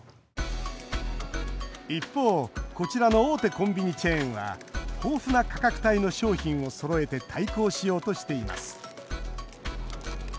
コンビニチェーンは豊富な価格帯の商品をそろえて対抗しようとしています。